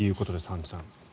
アンジュさん。